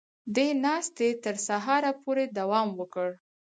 دې ناستې تر سهاره پورې دوام وکړ